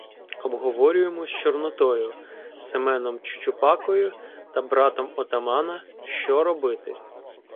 Обговорюємо з Чорнотою, Семеном Чучупакою та братом отамана, що робити.